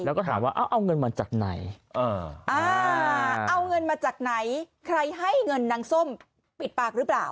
แล้วก็ถามว่าเอาเงินมาจากไหนเอาเงินมาจากไหนใครให้เงินนางส้มปิดปากหรือเปล่า